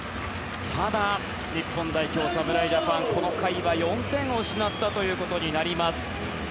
ただ、日本代表侍ジャパンこの回は４点を失ったことになります。